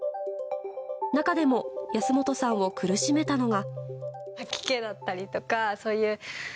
中でも安本さんを苦しめたのが。